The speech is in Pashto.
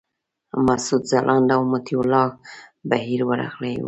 مسعود ځلاند او مطیع الله بهیر ورغلي وو.